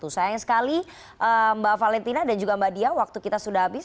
sayang sekali mbak valentina dan juga mbak dia waktu kita sudah habis